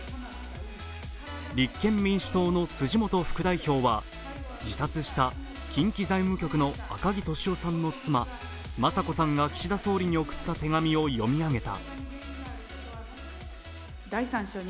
立憲民主党の辻元副代表は、自殺した近畿財務局の赤木俊夫さんの妻、雅子さんが岸田総理に送った手紙を読み上げた。